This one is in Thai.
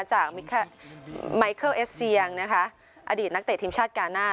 จากไมเคิลเอสเซียงนะคะอดีตนักเตะทีมชาติกาน่า